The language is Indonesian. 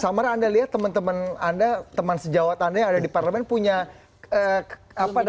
samara anda lihat teman teman anda teman sejawat anda yang ada di parlemen punya apa namanya